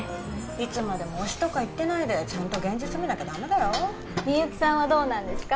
いつまでも「推し」とか言ってないでちゃんと現実見なきゃダメだよ深雪さんはどうなんですか？